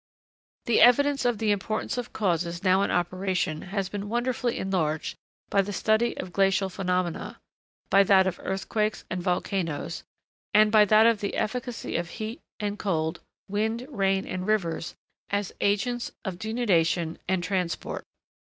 The evidence of the importance of causes now in operation has been wonderfully enlarged by the study of glacial phenomena; by that of earthquakes and volcanoes; and by that of the efficacy of heat and cold, wind, rain, and rivers as agents of denudation and transport.